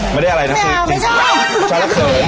ไม่ได้อร่อยนะครับ